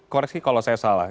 koresi kalau saya salah